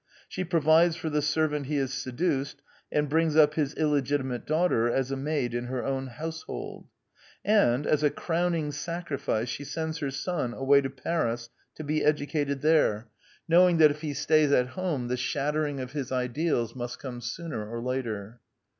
She provides for the servant he has seduced, and brings up his illegitimate daughter as a maid in her own house hold. And, as a crowning sacrifice, she sends her son away to Paris to be educated there, knowing The Anti Idealist Plays 95 that if he stays at home the shattering of his ideals must come sooner or later.